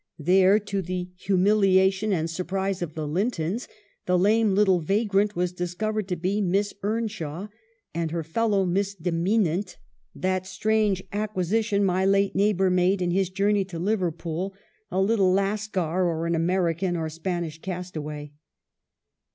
There, to the humiliation and surprise of the Lintons, the lame little vagrant was discovered to be Miss Earnshaw, and her fellow misdemeanant, " that strange acquisition my late neighbor made in his journey to Liverpool — a little Lascar, or an American or Spanish castaway."